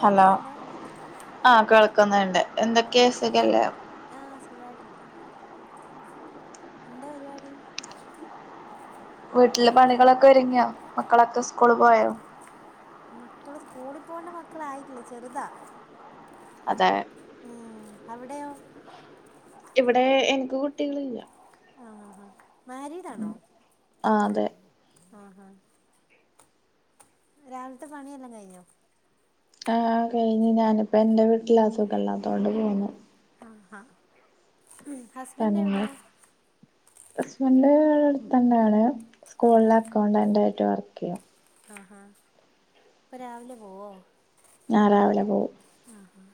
Hello ആ കേൾക്കുന്നുണ്ട് എന്തൊക്കെയ സുഖല്ലേ എന്താപരിപാടി വീട്ടിലെ പണികളൊക്കൊരുങ്ങിയോ മക്കളൊക്കെ സ്കൂള് പോയോ മക്കള് സ്കൂളിപോണ്ട മക്കളായിട്ടില്ല ചെറുതാ അതേ ഉം അവിടെയോ ഇവിടെ എനിക്ക് കുട്ടികളില്ല ആ മാരീഡാണോ ആ അതെ ആഹാ രാവിലത്തെ പണിയെല്ലാം കയിഞ്ഞോ ആഹ് കഴിഞ്ഞ് ഞാനിപ്പോ എന്റെ വീട്ടിലാ സുഖില്ലാത്തോണ്ട് പോന്നു ആഹാ ഹസ്ബന്റെവിടെയാ ഹസ്ബന്റ് അടുത്തെന്നെയാണ് ആ സ്കൂളില് അക്കൗണ്ടന്റായിട്ട് വർക്കെയ്യാ ആഹാ അപ്പൊ രാവിലെ പോവോ ആ രാവിലെ പോവും ആഹാ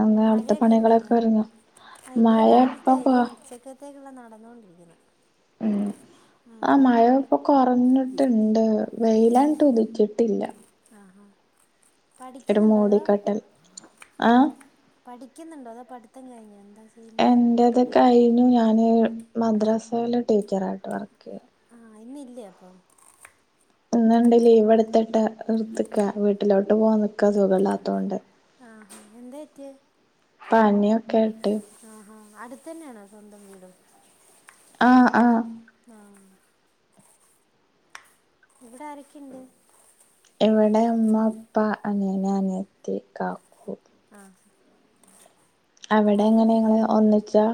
പിന്നെ അവിടുത്തെ മഴയൊക്കെ ഉണ്ടായിരുന്നോ പണികളൊക്കൊരുങ്ങിയോ മഴ ഇപ്പൊ പോ ത്തേക്കുള്ള നടന്നുകൊണ്ടിരിക്കുന്നു ഉം ആ മഴ ഇപ്പൊ കുറഞ്ഞ്ട്ട് ണ്ട് വെയിലണ്ടുതിച്ചിട്ടില്ല ആ ഹാ ഒരു പഠിക്കുന്നുണ്ടോ അതോ മൂടിക്കെട്ടൽ ആഹ് പിഠിക്കുന്നുണ്ടോ അതോ പഠ്ത്തം കഴിഞ്ഞോ എന്താ ചെയ്യുന്നത് എന്റെത് കഴിഞ്ഞു ഞാന് മദ്രസയില് ടീച്ചറായിട്ട് വർക്ക് ചെയ്യാ ആഹ് ഇന്നില്ലേ അപ്പൊ ഇന്നുണ്ട് ലീവെട്ത്ത്ട്ട് എട്ത്ത്ക്കാ വീട്ടിലോട്ട് പോവാനിക്കാ സുഖല്ലാത്തോണ്ട് ആഹാ എന്താപറ്റ്യേ പനിയൊക്കെയായിട്ട് അടുത്ത് തന്നെയാണോ സ്വന്തം വീടും ആഹ് ആഹ് ആ ഇവിടെ ആരൊക്കെയുണ്ട് ഇവിടെ ഉമ്മ, ഉപ്പ, അനിയൻ, അനിയത്തി, കാക്കു. ആഹ് അവിടെ എങ്ങനെ ഇങ്ങള് ഒന്നിച്ചാ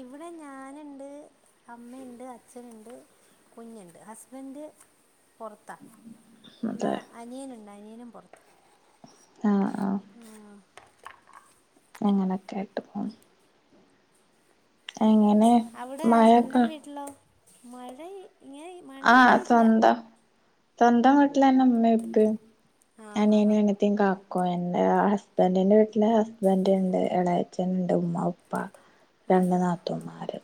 ഇവിടെ ഞാനുണ്ട് അമ്മയുണ്ട് അച്ഛനുണ്ട് കുഞ്ഞുണ്ട്. ഹസ്ബൻഡ് പുറത്താ പിന്നെ അതെ അനിയനുണ്ട് അനിയനും പുറത്താ ആഹ് ആഹ് അങ്ങനൊക്കൊയായിട്ട് പോണ് എങ്ങനെ അവിടെ സ്വന്തം മഴൊക്കെ വീട്ടിലോ. മഴ ഇങ്ങനെ മഴ ആഹ് അങ്ങനെ ഇല്ല സ്വന്തം സ്വന്തം വീ വീട്ടിലെന്നെ ഉമ്മയും ഉപ്പയും ആഹ് ഹാ ഹാ അനിയനും അനിയത്തിയും കാക്കും എന്റെ ഹസ്ബൻ്റിന്റെ വീട്ടില് ഹസ്ബൻ്റ് ഉണ്ട് ഇളയച്ഛൻ ഉമ്മ ഉപ്പ രണ്ട് നാത്തൂൻമാര്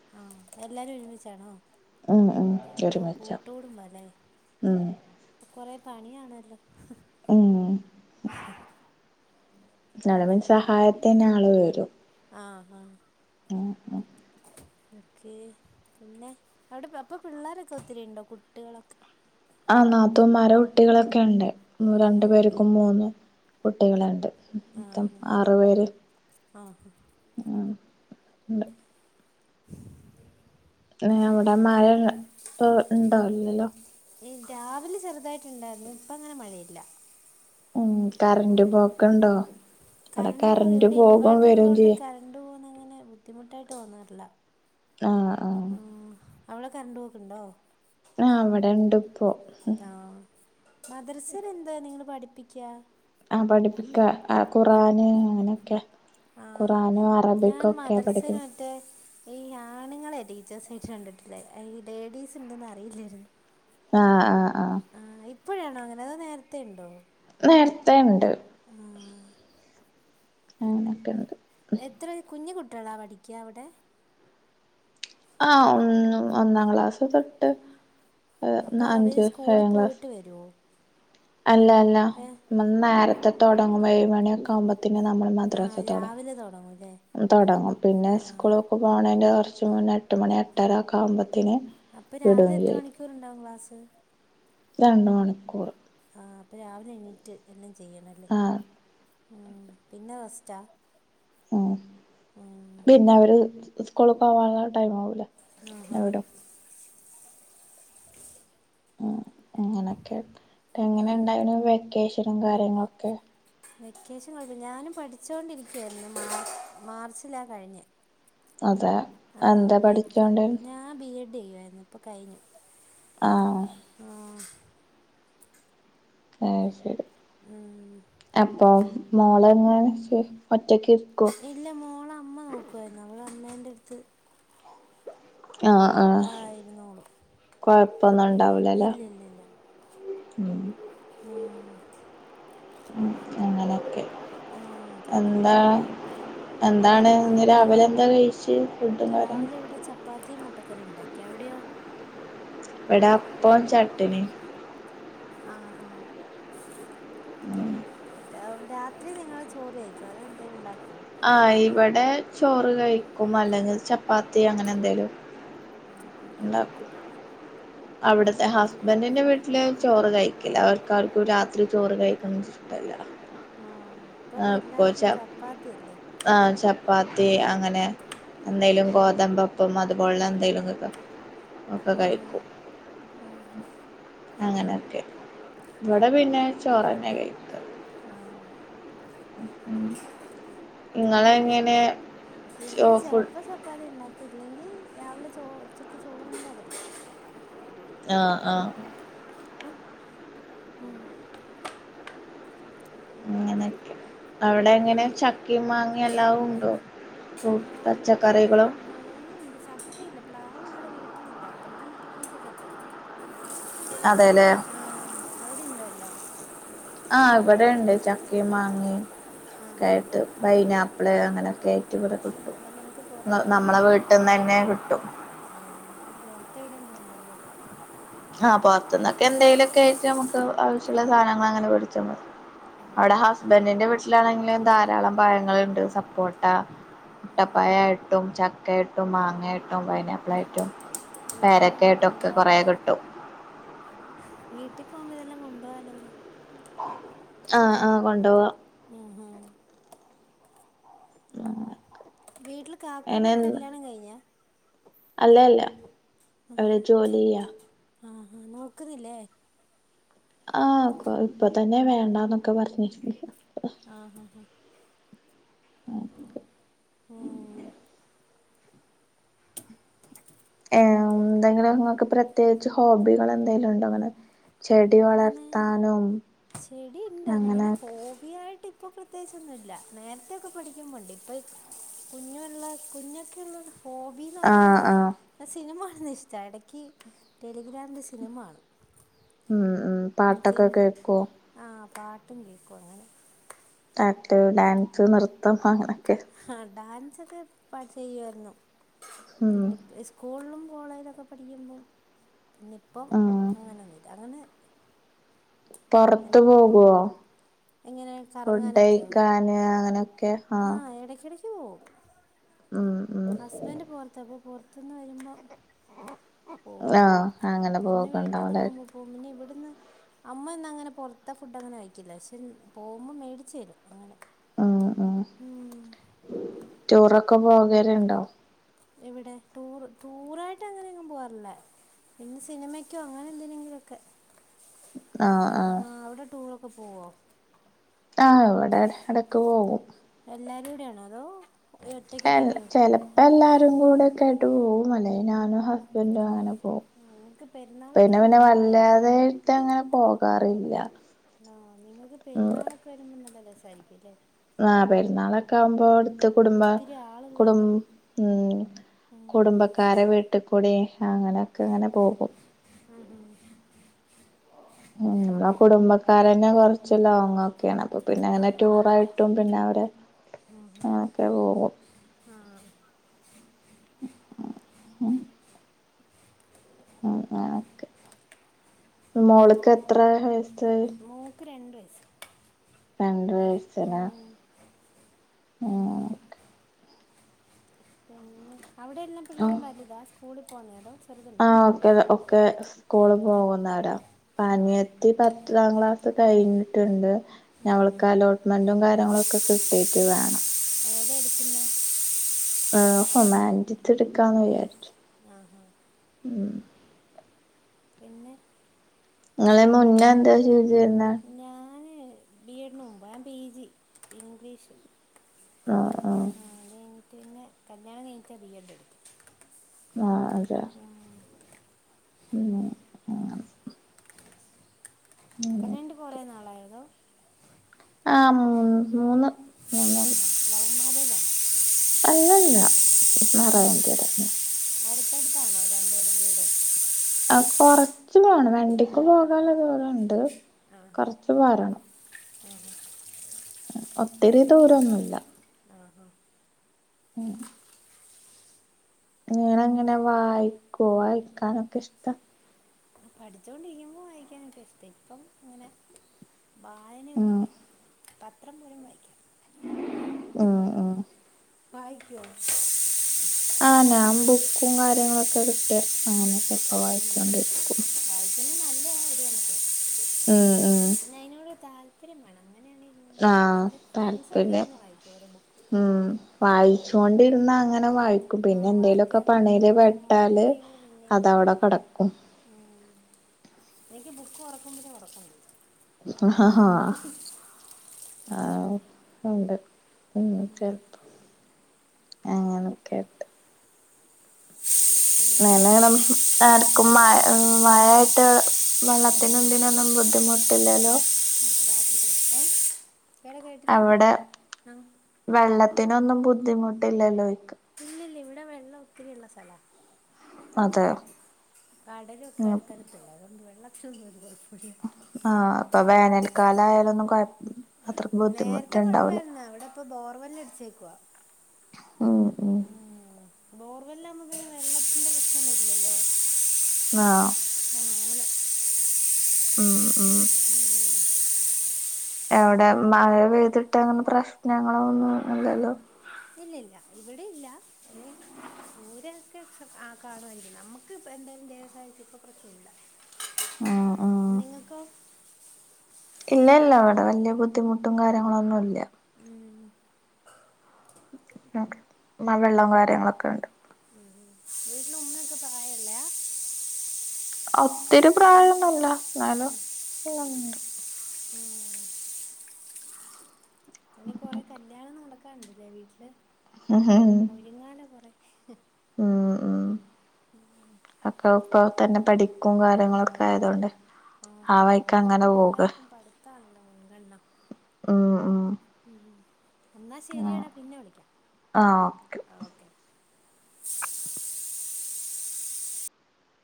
എല്ലാരും ഒരുമിച്ചാണോ ഉം ഉം ഓ ഒരുമിച്ചാ കൂട്ടുകുടുംബാല്ലേ ഉം കൊറെ പണിയാണല്ലോ ഉം ഇവിടെ ഉം പിന്നെ സഹായത്തിനാ ള് വരും ആഹ് ആഹ് ആഹ് ഉം ഓക്കേ പിന്നെ അവിടെ അപ്പൊ പിള്ളേരൊക്കെ ഒത്തിരി ഉണ്ടോ കുട്ടികളൊക്കെ ആ നാത്തൂമാരെ കുട്ടികളൊക്കെയുണ്ട് ആഹ് രണ്ടുപേർക്കും മൂന്ന് കുട്ടികളുണ്ട് മൊത്തം ആഹ് ആറുപേര് ആഹ് ആഹ് ഉണ്ട് [inaudible] അവിടെ മഴ ഇപ്പൊ ഉണ്ടോ ഇല്ലല്ലോ രാവിലെ ചെറുതായിട്ടുണ്ടായിരുന്നു ഇപ്പങ്ങനെ മഴയില്ല ഉം കറന്റ് പോക്കുണ്ടോ ഇവിടെ കറണ്ട് പോ കറൻ്റ് ഇവിടെ പോകും ഇൻവേർട്ടർ വരും ഉള്ളോണ്ട് ചെയ്യും കറണ്ട് പോകുന്ന അങ്ങനെ ബുദ്ധിമുട്ടായിട്ട് തോന്നാറില്ല ആഹ് ആഹ് അവിടെ കറണ്ട് പോക്കുണ്ടോ ആ ഇവിടെ ഇണ്ട് ഇപ്പോ മദ്രസയിൽ എന്താ നിങ്ങള് പഠിപ്പിക്ക ആ പഠിപ്പിക്ക ആ ഖുർആൻ അങ്ങനെയൊക്കെ ആഹ് ഖുറആനും ഞാൻ അറബിക്കൊക്കെയാ മദ്രസയിൽ പഠിപ്പി മറ്റേ ഈ ആണുങ്ങളെയാ ടീച്ചേഴ്സ് ആയിട്ട് കണ്ടിട്ടുള്ളെ ഈ ലേഡീസുണ്ടെന്നറിയില്ലായിരുന്നു ആഹ് ആഹ് ആഹ് ഇപ്പോഴാണോ അങ്ങനെ അതോ നേരത്തെണ്ടോ നേരത്തേണ്ട് ആഹ് അങ്ങനെക്കെണ്ട് എത്ര കുഞ്ഞികുട്ടികളാ പഠിക്കാ അവിടെ ആഹ് ഒന്ന് ഒന്നാം ക്ലാസ് തൊട്ട് അപ്പൊ അവര് അഞ്ച് സ്കൂളി ഏഴാം ക്ലാസ് പോയിട്ട് വരുവോ അല്ല അല്ല ഏഹ് നേരത്തെ തുടങ്ങും ഏഴ് മണിയൊക്കെ ആവുമ്പോ ത്തിന് നമ്മള് ആഹ് മദ്രസ രാവിലെ തുടങ്ങൂല്ലേ തുടങ്ങും തുടങ്ങും പിന്നെ ആഹ് സ്കൂളിലൊക്കെ പോണേൻ്റെ കുറച്ച് മുന്നേ എട്ട്മണി എട്ടരയൊക്കെയാവുമ്പോ ത അപ്പൊ രാവിലെ എത്ര മണിക്കൂറുണ്ടാവും ക്ലാസ് രണ്ട് മണിക്കൂർ ആഹ് അപ്പ രാവിലെ എണീറ്റ് എല്ലാം ചെയ്യണം അല്ലേ ആഹ് ഏഹ് പിന്നെ റെസ്റ്റാ ഉം ഉം പിന്നെ അവര് സ്കൂള് പോവാതെ ടൈം ആവൂലെ പിന്നെ ആഹാ വിടും ഉം അങ്ങനെയൊക്കെ ഉം എങ്ങനെണ്ടായിന്നും വെക്കേഷനും കാര്യങ്ങളൊക്കെ വെക്കേഷൻ കുഴപ്പം ഞാനും പഠിച്ചോണ്ടിരിക്കയായിരുന്നു മാ മാർച്ചിലാ കഴിഞ്ഞേ അതെ എന്താ പഠിക്കാണ്ട് യ്യായിരുന്നു ഇപ്പൊ കഴിഞ്ഞു ആഹ് ആഹ് അയ് ശരി ഉം. അപ്പൊ മോള എങ്ങാനും ശ ഇല്ല മോള അമ്മ നോക്കുവാരുന്നു അവള് അമ്മേന്റട്ത്ത് ആഹ് ആഹ് ഇരുന്നോളും കൊഴപ്പൊന്നും ഉണ്ടാവൂല്ലല്ലോ ഇല്ല ഇല്ല ഇല്ല ഉം ഉം, ഉം അങ്ങനൊക്കെ ഉം, അതെ എന്താ എന്താണ് പിന്നെ ഇന്ന് രാവിലെ എന്താ കഴിച്ചു ഫുഡും കാര്യങ്ങളും രാവിലെ ഇവിടെ ചപ്പാത്തിയും മുട്ടക്കറി ഇണ്ടാക്കി അവിടെയോ ഇവിടെ അപ്പവും ചട്നിയും ആഹ് ആഹ് രാ രാത്രി നിങ്ങള് ചോറ് കഴിക്കുവോ അതോ എന്തേലും ഉണ്ടാ ആ ഇവിടെ ചോറ് കഴിക്കും അല്ലെങ്കിൽ ചപ്പാത്തി അങ്ങനെ എന്തേലും ആഹ് ആഹ് ഉണ്ടാക്കും അവിടത്തെ ഹസ്ബൻഡിന്റെ വീട്ടില് ചോറ് കഴിക്കില്ല അവർക്കാർക്കും രാത്രി ചോറ് കഴിക്കുന്നത് ഇഷ്ട മല്ല ആഹ് ഇപ്പം എല്ലാർക്കും ചപ്പാത്തിയല്ലേ ആഹ് ചപ്പാത്തി അങ്ങനെ എന്തേലും ഗോതമ്പപ്പം അതുപോലുള്ള എന്തേലുമൊക്കെ ഒക്കെ ആ കഴിക്കും ആഹ് അങ്ങനെയൊക്കെ ഇവിടെ പിന്നെ ചോറ് തന്നെയാ കഴിക്കുക ആഹ് ഇങ്ങള് ചപ്പാത്തി എങ്ങനെ ഇവിടെ [unintelligible] ചെലപ്പോ ചപ്പാത്തി ഉണ്ടാക്കും ഇല്ലെങ്കി രാവിലെ ചോ ഉച്ചക്ക് ചോറുണ്ടേ പറ്റത്തൊള്ളൂ ആഹ് ആഹ് അങ്ങനെക്കെ അവിടെ അങ്ങനെ എങ്ങനെ ചക്കേം മാങ്ങ എല്ലാ ഉണ്ടോ മ് ആഹ് പച്ചക്കറികളും ചക്ക ഇല്ല പ്ളാഴ് ഇവിടെ വീട്ടിൽ അപ്പർത്തിന്നും ഇപ്പർത്തിന്നുംഒക്കെ കിട്ടും അതെല്ലേ ആ അവിടെ ഉണ്ടോ ലം ആ ഇവിടെണ്ട് ചക്കേം മാങ്ങയും ഒക്കെ ആഹാ ആയിട്ട് പൈനാപ്പിള് അങ്ങനെയൊക്കെ ആയി ഇവിടെ ആഹ് കിട്ടും അപ്പൊ ന നമ്മളെ വീട്ടിന്ന് ന്നെ ആണൊ അപ്പൊ പൊറത്ത് എവിടേം പോണ്ടല്ലേ ആ പൊറത്ത്ന്നൊക്കെ എന്തെലു ക്കെ ആയിട്ട് നമുക്ക് ആവശ്യള്ള സാധനങ്ങൾ അങ്ങനെ വേടിച്ച മതി അവിടെ ആഹ് ഹസ്ബൻഡിന്റെ വീട്ടിലാണെങ്കില് ധാരാളം പഴങ്ങള് ണ്ട് സപ്പോട്ടാ ആഹ് മുട്ടപ്പയായിട്ടും ചക്കയിട്ടും മാങ്ങായിട്ടും പൈനാപ്പിളായിട്ടും വീട്ടിൽ പോകുമ്പോ പേരക്കെട്ടെക്കെ കൊറേ കൊണ്ടുപോവാലോ കി വീട്ടി പോവുമ്പ ഇതെല്ലാം കൊണ്ടവാലോ ആ ആ കൊണ്ടോവാ ഉം ഹും ആഹ് വീട്ടില് അങ്ങനെ കാക്കൂന്റെക്കെ കല്ല്യാണംകഴിഞ്ഞ അല്ല അല്ല അവൻ ജോലിയ്യാ ആ ഹഹാ നോക്കുന്നില്ലേ ആ കൊ ഇപ്പൊ തന്നെ വേണ്ടന്നൊക്കെ പറഞ്ഞിരിന്നു ആ ആ ഹാ ഉം [unintelligible] എന്തെങ്കിലുംങ്ങക്ക് പ്രത്യേകിച്ച് ഹോബികൾ എന്തെങ്കലുംണ്ടോ ഇങ്ങനെ ചെടി വളർത്താനും ചെടിണ്ട് അങ്ങനെ ഹോബിയായി ട്ട് ഇപ്പൊ പ്രത്യേകിച്ചൊന്നുല്ല നേരത്തൊക്കെ പഠിക്കുമ്പണ്ട് ഇപ്പ കുഞ്ഞുള്ള കുഞ്ഞൊക്കെ ഉള്ള ഹോബിന്ന് ആഹ് പറഞാലെനിക് ആഹ് ഇല്ല സിനിമ ഇഷ്ട്ടാ ഇടക്ക് ടെലിഗ്രാമിൽ സിനിമകാണും ഉം ഉം പാട്ടൊക്കെ കേൾക്കോ ആ പാട്ടും കേക്കും അങ്ങനെ നട്ട് ഡാൻസ് നൃത്തം അങ്ങനെ ആ ഡാൻസ് ഒക്കെ പാട്ട് ചെയ്യുവായിരുന്നു ഉം പിന്നെ സ്കൂളിലും കോളേജിലൊക്കെ പഠിക്കുമ്പം പിന്നെ ഇപ്പം ഉം അങ്ങനെയൊന്നുമില്ല അങ്ങനെ പുറത്ത് പോകുവോ എങ്ങനെ കറങ്ങാനൊക്കെയോ ഫുഡഴിക്കാന് അങ്ങനെ ആ ഹസ്ബന്റ് പൊറത്ത അപ്പൊ പുറത്തുന്ന് വരുമ്പോ ആ അങ്ങനെ പോവക്കെ ഇണ്ടാവുംലെ അമ്മന്നൊങ്ങനെ പുറത്തെ ഫുഡ് അങ്ങനെ കഴിക്കില്ല പക്ഷെ പോകുമ്പോ മേടിച്ചു തരും അങ്ങനെ ഉ ഉ ടൂറൊക്കെ പോകലുണ്ടോ ഇവിടെ ടൂർ ടൂറായിട്ട് അങ്ങനെ എങ്ങും പോവാറില്ല പിന്നെ സിനിമക്കോ അങ്ങനെ എന്തിനെങ്കിലുംഒക്കെ ആഹ് ആഹ് ആ അവിടെ ടൂറൊക്കെ പോവോ ആ ഇവിടെ ഇടക്ക് പോകും ട്ടയാണോ അതോ ഒറ്റയ്ക്ക് ഒറ്റയ്ക്ക് പോവോ ചെലപ്പോ എല്ലാരും കൂടെ ഒക്കെ ആയിട്ട് പോവും അല്ലെങ്കിൽ ഞാനും ഹസ്ബന്റും അങ്ങനെ ഓ ആ നിങ്ങൾക്ക് പിന്നെ പെരുന്നാളൊക്കെ ആകുമ്പോൾ പിന്നെ അടിപൊളിയായിരിക്കുമല്ലേ വല്ലാതായിട്ട് അങ്ങനെ പോകാറില്ല ആ നിങ്ങക്ക് പെരുന്നാളൊക്കെ വരുമ്പോ നല്ലരസായിരിക്കുംല്ലേ ആ പെരുന്നാളൊക്കെ ആകുമ്പോ ത്ത് കുടുംബ ഒത്തിരി കുടും ആളുള്ളോണ്ട് ഉം ഉം കുടുംബക്കാരെ വീട്ടിൽകുടീം അങ്ങനെയൊക്കെ അങ്ങനെ പോകും ആഹ് ഉം നമ്മള കുടുംബക്കാരന്നെ കൊറച്ച് ലോങ്ങ ഒക്കെയാണ് അപ്പോ പിന്നെ അങ്ങനെ ആഹ് ടൂറായിട്ടും പിന്നെ അവടെ അങ്ങനെയൊക്കെ പോകും ആ [unintelligible] ഉം അങ്ങനൊക്കെ മോൾക്ക് എത്ര മോൾക്ക്‌ രണ്ട് വയസ് രണ്ട് വയസ്സ്ലെ ഉം പിന്നെ അവിടെ എല്ലാ പിള്ളേരും വലുതാ സ്കൂളിൽ പോുന്നേത ആഹ ഒക്കെ ഒക്കെ സ്കൂള് പോകുന്നവരാ ആഹ് പനിയത്തി പത്താം ക്ലാസ് കഴിഞ്ഞിട്ടുണ്ട് ഉം ഞ്ഞിവൾക്ക് ഉം അലോട്ട്മെന്റും കാര്യങ്ങളും ഒക്കെ കിട്ടിട്ട് വേണം ഏത എടുക്കുന്നെ ആ ഹുമാനിറ്റിത്ത് എടുക്കാന്ന് വിചാരിച്ചു ആഹാ ഉ പിന്നെ നിങ്ങളെ മുന്നേ എന്താ ചീതീർന്ന് ഞാന് ബി എഡിന് മുമ്പ് ഞാൻ പി ജി ഇംഗ്ലീഷ് ആഹ ആഹ ആഹ് അത് കഴിഞ്ഞിട്ട് പിന്നെ കല്ല്യാണം കഴിഞ്ഞിട്ട ബി എഡ് എടുത് ആഹ അതെ പിന്നെ ആ കതെയ്ഞ്ഞിട്ട്പ്പൊ കൊറെ നാളായൊ അതോ ആഹ് മൂന്ന് മൂന്ന് മൂന്ന് ആഹാ ലവ് മാരേജാണോ അല്ലല്ല മറണ്ടടെെ അടുത്തടുത്താണോ രണ്ടുപേര കീടെ ആ കൊറച്ച് പോണം വെണ്ടിക്ക് പോകൻതുപോലെണ്ട് കൊറച്ച് പോരണം ഓഹ ഒത്തിരി ദൂരംന്നുമല്ല ആഹാ ഉം [unintelligible] ഞൻങ്ങനെ വായിക്കുവോ വായിക്കാനൊക്കെ ഇഷ്ടം പഠിച്ചൊണ്ടിരിക്കുമ്പോ വായിക്കാനൊക്കെ ഇഷ്ട ഇപ്പം അങ്ങനെ ഉ വായനയൊന്നുമില്ല പത്രം പോലും വായിക്കാറില്ല ആഹ ആഹ ഭാഗ്യം ആഹ ഞാൻ ബുക്കും കാര്യങ്ങളൊക്കെ കിട്ടെ അങ്ങനെ ചപ്പോ വായിച്ചോണ്ടിരിക്കും വായിക്കുന്നത് നല്ലയാ ഒരു കണക്കിന് ഉം ഉം പിന്നെ അതിനോട് താല്പര്യം വേണം അങ്ങനെയാണെങ്കിൽ ഇങ്ങനെ ആഹ വായിക്കും എൻ്റെ ഫ്രണ്ട്സൊക്കെ താല്പര്യം ഇരുന്ന് വായിക്കും ഓരോ ബുക്കൊക്കെ ഉം വായിച്ചുൊണ്ടിരുന്ന അങ്ങനെ വായിക്കും ആ പിന്നെ എന്തേലുമ ഒക്കെ വായിക്കാൻ തോന്നും പണിയില് പിന്നെ മുടങ്ങി വെട്ടാല് കഴിയുമ്പോൾ പിന്നെ അതവിടെ കിടക്കും ഉം എനിക്ക് ബുക്ക് ഉറക്കുമ്പഴ ഉടക്കം ആഹ ഹാ ആഹ ഉണ്ട് ഉ ഉം ചിലപ്പ അങ്ങനൊ കേെട്ട് പിന്നെ നക്കും മ മഴായിട്ട് വെള്ളത്തിന എന്തിന ഒന്നും ബുദ്ധിമുട്ടില്ലല്ലോ രാത്രി കിടക്കും ഏ എവിടെ കേട്ടില്ല അവിടെ ആ വെള്ളത്തിനൊന്നും ബുദ്ധിമുട്ടില്ലല്ലോ ഇല്ല വെള്ളം ഒത്തിരിയ ഉള്ള സ്ഥലാ അതെ കടലും ഒക്കെ അടുത്തടുത്തല്ല അതുകൊണ്ട് വെള്ളക്ഷ ഒന്നും ആഹ അപ്പൊ വേനൽക്കാല ആയാലൊ ഒന്നും നേരത്തെ കൊഴപ്പായിുന്ന അവിടെ ഇപ്പ ബോർവല്ല അടിച്ചേക്കുവ ആഓ ഓ ബോർവെല്ലാ്പക്ക് വെള്ളത്തിന്റെ പ്രശ്നന്ന വരില്ലല്ലോ ആ ആഹ് അങ്ങനെ ആ ആ ഉം. എവിടെ മഴ പെയ്തിട്ട് അങ്ങനെ പ്രശ്നങ്ങളോ ഒന്നും അല്ലല്ലോ ഇല്ല ഇല്ല ഇവിടെ ഇല്ല ദൂരൊക്കെ കാണുമായിരിക്കും നമ്മുക്ക് എന്തായും ദേവസായത്തി ഇപ്പൊ പ്രശ്നില്ല ഉം ഉം നിങ്ങക്കൊ ഇല്ല ഇല്ല അവിടെ വലിയ ബുദ്ധിമുട്ടും കാര്യങ്ങളും ഒന്നും ഇല്ല ഉം വെള്ളവും കാര്യങ്ങളൊക്കെ ഉണ്ട് ഉം വീട്ടിലുമ്മിയൊക്കെ പ്രായൊള്ളയാ ഒത്തിരി പ്രായൊന്നുമല്ല എന്നാലും ഇണ്ട് ഉം ഇനി കൊറെ കല്യാണം നടക്കാൻണ്ടല്ലേ വീട്ടില് ഒരുങ്ങാല കൊറെ ഉ ഉ അക്ക ഇപ്പൊ തന്നെ പഠിക്കും കാര്യങ്ങളൊക്കെ ആയതൊണ്ട് ആ ആഹോ വഴിക്ക് ഇപ്പൊ അങ്ങനെ പിന്നെ പോക എല്ലാർക്കും പഠിത്താണല്ലോ മുൻഗണന ഉം ഉം ഉ എന്നാ ശരിയടാ പിന്നെ വിളിക്കാം ആ ഓക്കെ ഓക്കേടാ